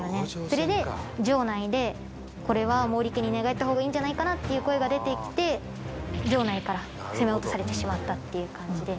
それで城内でこれは毛利家に寝返った方がいいんじゃないかなっていう声が出てきて城内から攻め落とされてしまったっていう感じで。